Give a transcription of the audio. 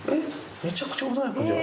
めちゃくちゃ穏やかじゃん。